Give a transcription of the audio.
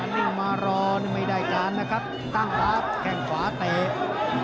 นี่มารอนี่ไม่ได้การนะครับตั้งขวาแข้งขวาเตะ